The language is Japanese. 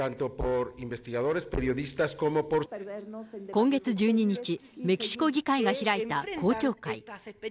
今月１２日、メキシコ議会が開いた公聴会。